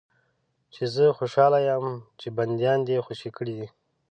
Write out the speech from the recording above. چې زه خوشاله یم چې بندیان دې خوشي کړي دي.